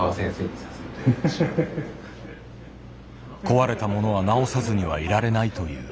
壊れたものは直さずにはいられないという。